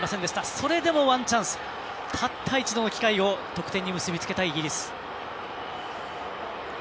それでもワンチャンスたった一度の機会を得点に結び付けたイギリス。